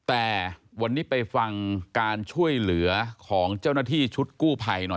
แต่วันนี้ไปฟังการช่วยเหลือของเจ้าหน้าที่ชุดกู้ภัยหน่อย